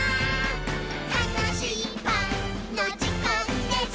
「たのしいパンのじかんです！」